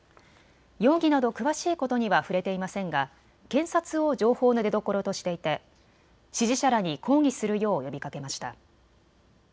容疑など詳しいことには触れていませんが検察を情報の出どころとしていて支持者らに抗議するよう呼びかけました。